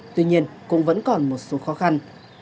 tuy nhiên cũng vẫn còn một số khó khăn